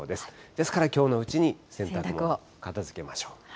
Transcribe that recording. ですからきょうのうちに洗濯を片づけましょう。